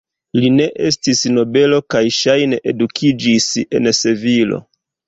Li ne estis nobelo kaj ŝajne edukiĝis en Sevilo.